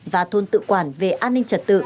và thôn tự quản về an ninh trật tự